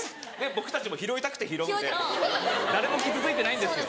僕たちも拾いたくて拾うんで誰も傷ついてないんですよ。